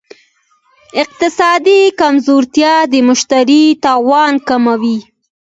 اقتصادي کمزورتیا د مشتري توان کموي.